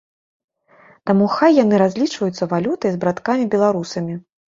Таму хай яны разлічваюцца валютай з браткамі-беларусамі.